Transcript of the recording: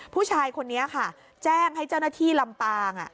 ผู้ชายคนนี้ค่ะแจ้งให้เจ้าหน้าที่ลำปาง